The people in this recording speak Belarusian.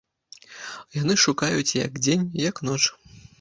Яны шукаюць як дзень, як ноч.